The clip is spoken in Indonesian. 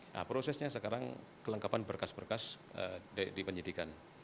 nah prosesnya sekarang kelengkapan berkas berkas dipenjidikan